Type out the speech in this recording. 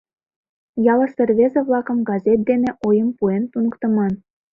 Ялысе рвезе-влакым газет дене ойым пуэн туныктыман.